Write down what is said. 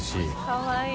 かわいい。